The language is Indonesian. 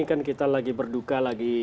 kan kita lagi berduka lagi